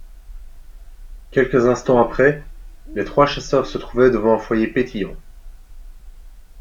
Quelques instants après, les trois chasseurs se trouvaient devant un foyer pétillant.